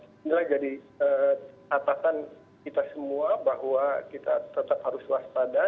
inilah jadi atasan kita semua bahwa kita tetap harus waspada